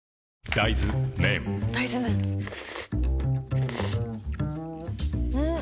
大豆麺ん？